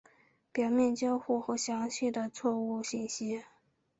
表面交互和详细的错误信息。